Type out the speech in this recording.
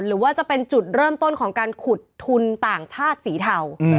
หรือว่าจะเป็นจุดเริ่มต้นของการขุดทุนต่างชาติสีเทา